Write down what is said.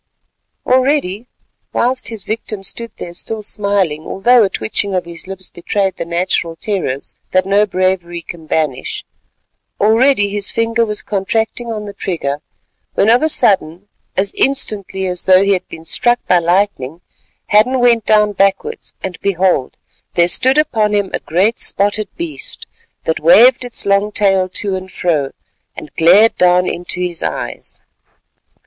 Already—whilst his victim stood there still smiling, although a twitching of his lips betrayed the natural terrors that no bravery can banish—already his finger was contracting on the trigger, when of a sudden, as instantly as though he had been struck by lightning, Hadden went down backwards, and behold! there stood upon him a great spotted beast that waved its long tail to and fro and glared down into his eyes.